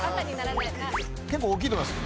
結構大きいと思います